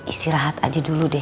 istirahat aja dulu deh